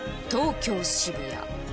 東京渋谷